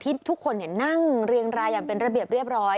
ทุกคนนั่งเรียงรายอย่างเป็นระเบียบเรียบร้อย